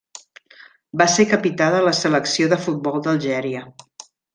Va ser capità de la selecció de futbol d'Algèria.